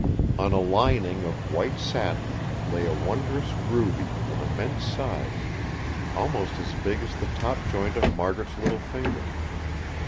On a lining of white satin lay a wondrous ruby of immense size, almost as big as the top joint of Margaret's little finger.